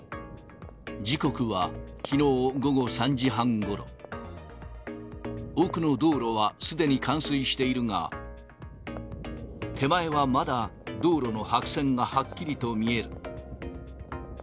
時刻はきのう午後３時半ごろ、奥の道路はすでに冠水しているが、手前はまだ、道路の白線がはっきりと見える。